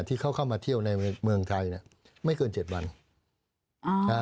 ที่เขาเข้ามาเที่ยวในเมืองไทยเนี่ยไม่เกิน๗วัน